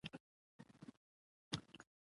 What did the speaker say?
افغانستان له هرات ډک دی.